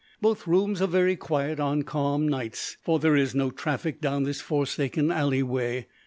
Both rooms are very quiet on calm nights, for there is no traffic down this forsaken alley way.